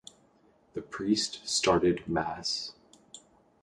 The priest started mass.